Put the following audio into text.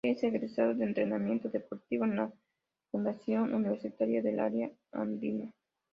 Es egresado de Entrenamiento Deportivo en la Fundación Universitaria del Área Andina.